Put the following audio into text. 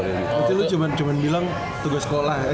berarti lu cuman bilang tugas sekolah